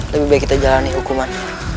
lebih baik kita jalani hukuman